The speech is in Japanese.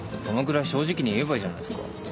そのぐらい正直に言えばいいじゃないっすか。